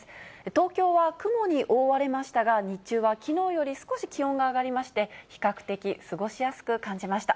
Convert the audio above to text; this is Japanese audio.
東京は雲に覆われましたが、日中はきのうより少し気温が上がりまして、比較的過ごしやすく感じました。